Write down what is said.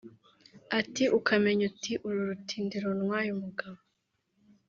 Ati “Ukamenya uti uru rutindi runtwaye umugabo